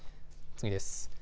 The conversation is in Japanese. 次です。